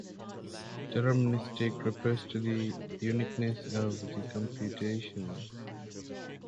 "Deterministic" refers to the uniqueness of the computation.